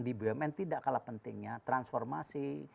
di bumn tidak kalah pentingnya transformasi